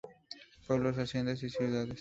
Pueblos, haciendas y ciudades.